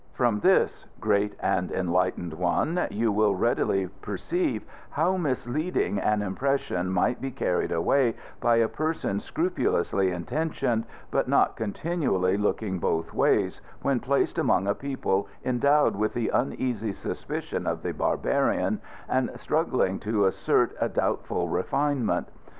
From this, great and enlightened one, you will readily perceive how misleading an impression might be carried away by a person scrupulously intentioned but not continually looking both ways, when placed among a people endowed with the uneasy suspicion of the barbarian and struggling to assert a doubtful refinement.